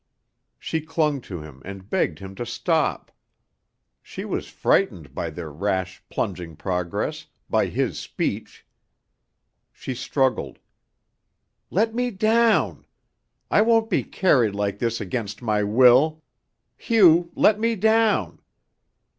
She clung to him and begged him to stop. She was frightened by their rash, plunging progress, by his speech. She struggled. "Let me down. I won't be carried like this against my will. Hugh, let me down!"